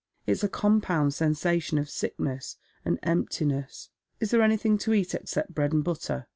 Jt's a compound sensation of sickness and emptiness. Is there anything to eat except bread and butter ?